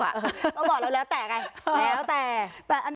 ก็บอกแล้วแล้วแต่ไงแล้วแต่